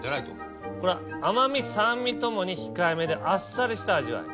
これは甘味酸味共に控えめであっさりした味わい。